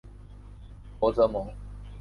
博泽蒙。